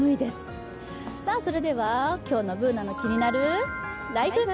それでは、今日の「ＢｏｏｎａのキニナルＬＩＦＥ」。